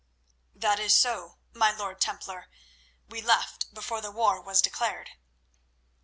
"That is so, my lord Templar. We left before the war was declared."